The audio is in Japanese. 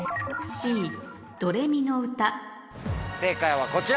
正解はこちら！